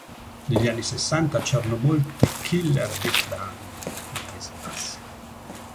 Negli anni sessanta c'erano molte killer beat band nei Paesi Bassi.